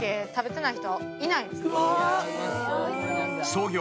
［創業